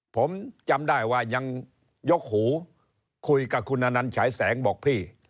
ผมจำได้ว่ายังยกหูคุยกับคุณอนันต์ฉายแสงบอกพี่